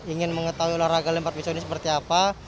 ingin mengetahui olahraga lempar pisau ini seperti apa